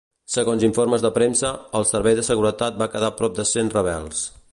Segons informes de premsa, al Servei de Seguretat va quedar prop de cent rebels.